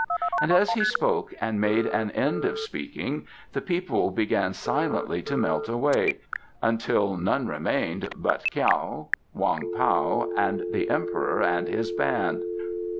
And as he spoke and made an end of speaking the people began silently to melt away, until none remained but Kiau, Wong Pao and the Emperor and his band.